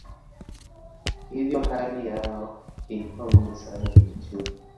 Hivyo hali yao ilikuwa ngumu sana kiuchumi.